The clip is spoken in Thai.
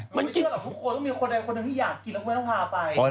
ไม่เชื่อหรอกทุกคนต้องมีคนใดคนหนึ่งที่อยากกินแล้วคุณต้องพาไป